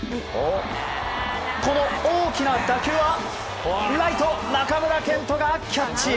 この大きな打球はライト、中村健人がキャッチ。